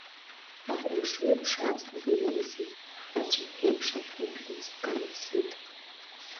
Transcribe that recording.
Ақәыршҩы-ԥша аҵлақәа ирыласыз, ацәарҭәеиԥш ахьы бӷьыш канаԥсеит.